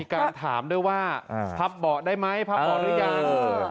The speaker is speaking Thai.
การถามด้วยว่าพับเบาะได้ไหมพับเบาะหรือยัง